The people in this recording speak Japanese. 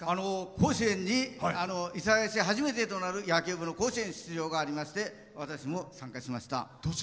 甲子園に諫早市初めてとなる野球部の甲子園出場でして私も参加しました。